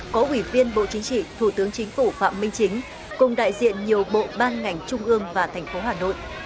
có ủy viên bộ chính trị thủ tướng chính phủ phạm minh chính cùng đại diện nhiều bộ ban ngành trung ương và thành phố hà nội